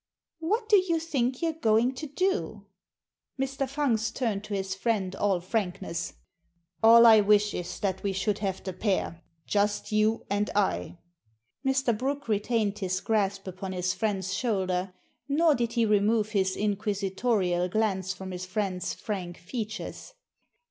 What do you think you're going to do?" Digitized by VjOOQIC 2o8 THE SEEN AND THE UNSEEN Mr. Fungst turned to his friend all frankness. ^All I wish is that we should have the pair — just you and I." Mr. Brooke retained his grasp upon his friend's shoulder, nor did he remove his inquisitorial glance from his friend's frank features.